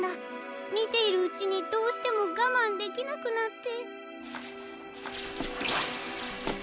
みているうちにどうしてもがまんできなくなって。